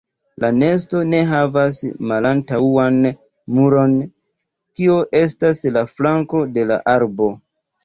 La nesto ne havas malantaŭan muron, kio estas la flanko de la arbo.